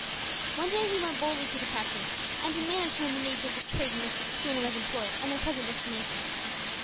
One day he went boldly to the captain and demanded to know the nature of the trade in which the schooner was employed and their present destination.